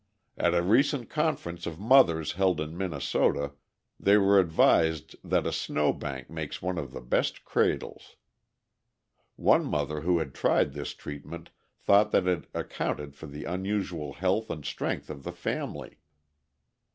At a recent conference of mothers held in Minnesota, they were advised that a snowbank makes one of the best cradles. One mother who had tried this treatment thought that it accounted for the unusual health and strength of the family.